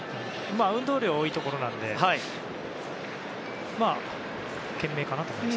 運動量が多いところなので賢明かなと思います。